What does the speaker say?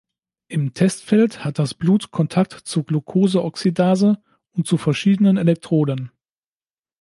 Im Testfeld hat das Blut Kontakt zu Glucose-Oxidase und zu verschiedenen Elektroden.